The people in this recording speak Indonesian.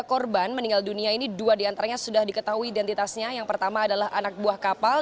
tiga korban meninggal dunia ini dua diantaranya sudah diketahui identitasnya yang pertama adalah anak buah kapal